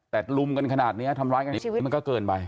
แต่ลุมกันขนาดนี้ทำร้ายกันแบบนี้มันก็เกินไป